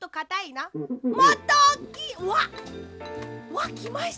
わっきました！